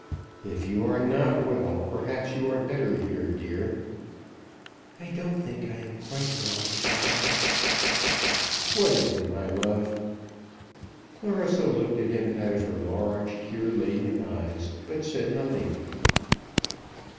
"If you are not well, perhaps you are better here, dear." "I don't think I am quite well, papa." "What is it, my love?" Clarissa looked at him out of her large tear laden eyes, but said nothing.